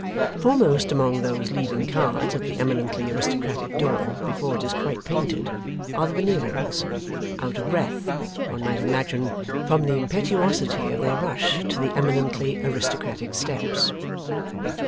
Foremost among those leaving cards at the eminently aristocratic door before it is quite painted, are the Veneerings: out of breath, one might imagine, from the impetuosity of their rush to the eminently aristocratic steps.